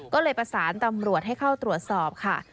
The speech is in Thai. ก็เลยประสานตำรวจให้เข้าตรวจสอบค่ะ